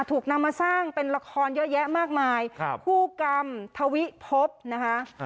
ถูกนำมาสร้างเป็นละครเยอะแยะมากมายคู่กรรมทวิภพนะคะ